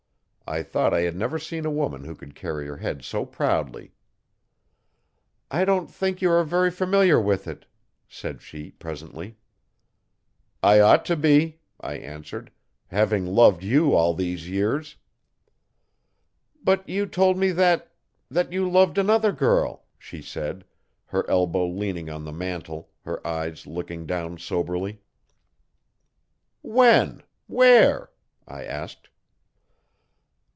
I thought I had never seen a woman who could carry her head so proudly. 'I don't think you are very familiar with it,' said she presently. 'I ought to be,' I answered, 'having loved you all these years. 'But you told me that that you loved another girl,' she said, her elbow leaning on the mantel, her eyes looking down soberly. 'When? Where?' I asked.